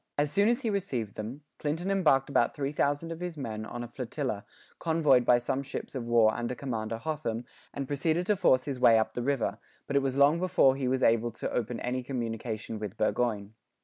As soon as he received them, Clinton embarked about 3,000 of his men on a flotilla, convoyed by some ships of war under Commander Hotham, and proceeded to force his may up the river, but it was long before he was able to open any communication with Burgoyne.